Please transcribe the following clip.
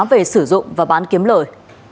về sử dụng và bán kiếm lợi